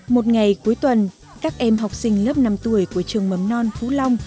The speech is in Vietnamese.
một ngày cuối tuần các em học sinh lớp năm tuổi của trường mầm non phú long